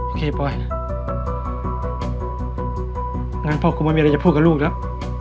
ปล่อยงั้นพ่อคงไม่มีอะไรจะพูดกับลูกแล้ว